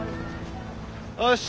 よし！